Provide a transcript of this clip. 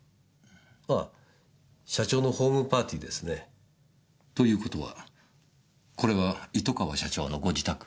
あぁ社長のホームパーティーですね。という事はこれは糸川社長のご自宅？